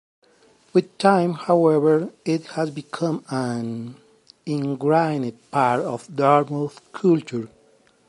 With time, however, it has become an "ingrained part of Dartmouth culture".